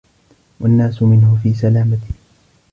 وَالنَّاسُ مِنْهُ فِي سَلَامَةٍ